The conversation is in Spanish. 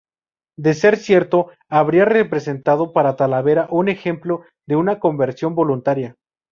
De ser cierto, habría representado para Talavera un ejemplo de una conversión voluntaria.